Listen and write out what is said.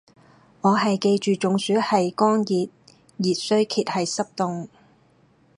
我係記住中暑係乾熱，熱衰竭係濕凍